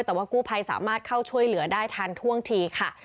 แต่ว่ากู้ภัยสามารถเข้าช่วยเหลือได้ทันท่วงทีค่ะ